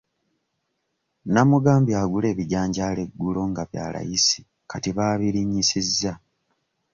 Nnamugambye agule ebijanjaalo eggulo nga bya layisi kati baabirinnyisizza.